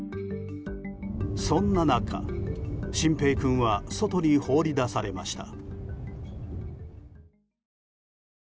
そんな中、慎平君は外に放り出されました。